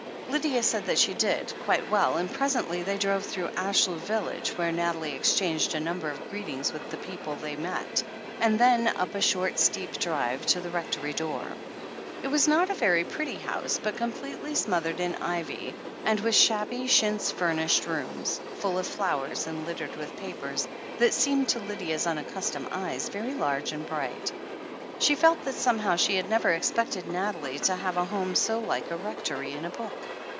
Lydia said that she did, quite well, and presently they drove through Ashlew village, where Nathalie exchanged a number of greetings with the people they met, and then up a short, steep drive to the Rectory door. It was not a very pretty house, but completely smothered in ivy, and with shabby, chintz furnished rooms — full of flowers and littered with papers — that seemed to Lydia's unaccustomed eyes very large and bright. She felt that somehow she had never expected Nathalie to have a home so like a Rectory in a book.